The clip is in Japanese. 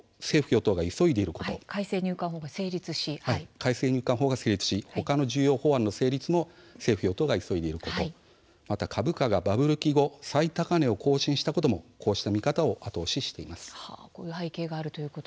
改正入管法が成立し他の重要法案の成立も政府与党が急いでいることまた株価が、バブル期後の最高値を更新したこともこうした見方を後押ししています。